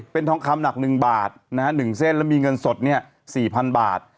เป็นทองคำหนักหนึ่งบาทหนึ่งเส้นแล้วมีเงินสดนี่๔๐๐๐บาท